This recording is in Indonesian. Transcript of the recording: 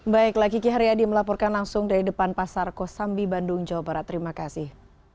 baiklah kiki haryadi melaporkan langsung dari depan pasar kosambi bandung jawa barat terima kasih